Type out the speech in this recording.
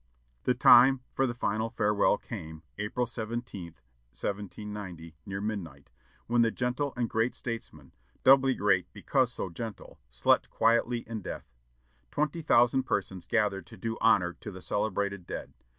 The time for the final farewell came, April 17, 1790, near midnight, when the gentle and great statesman, doubly great because so gentle, slept quietly in death. Twenty thousand persons gathered to do honor to the celebrated dead.